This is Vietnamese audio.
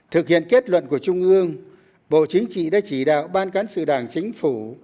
thực hiện kết luận của trung ương bộ chính trị đã chỉ đạo ban cán sự đảng chính phủ